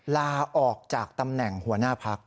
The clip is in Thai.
ลาออกจากตำแหน่งหัวหน้าพัก